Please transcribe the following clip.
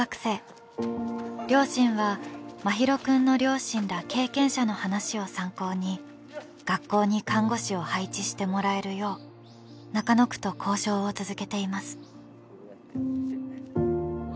両親は真浩くんの両親ら経験者の話を参考に学校に看護師を配置してもらえるよう中野区と交渉を続けています。